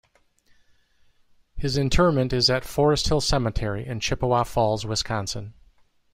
His interment is at Forest Hill Cemetery in Chippewa Falls, Wisconsin.